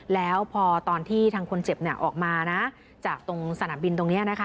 แล้วพอตอนที่ทางคนเจ็บออกมานะจากตรงสนามบินตรงนี้นะคะ